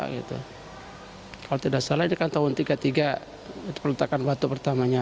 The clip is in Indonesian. kalau tidak salah ini kan tahun tiga puluh tiga perlintakan waktu pertamanya